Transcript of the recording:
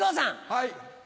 はい。